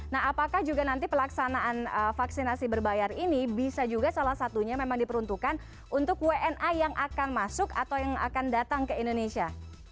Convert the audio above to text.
nah apakah juga nanti pelaksanaan vaksinasi berbayar ini bisa juga salah satunya memang diperuntukkan untuk wna yang akan masuk atau yang akan datang ke indonesia